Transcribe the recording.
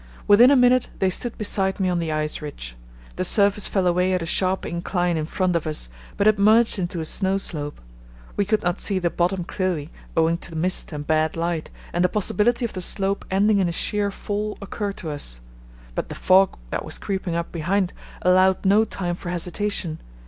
Within a minute they stood beside me on the ice ridge. The surface fell away at a sharp incline in front of us, but it merged into a snow slope. We could not see the bottom clearly owing to mist and bad light, and the possibility of the slope ending in a sheer fall occurred to us; but the fog that was creeping up behind allowed no time for hesitation.